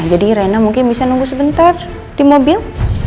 jadi reina mungkin bisa nunggu sebentar di mobil